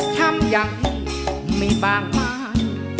ฉ่ำยังไม่บ่างหมาย